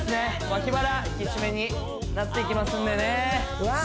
脇腹引き締めになっていきますんでねうわ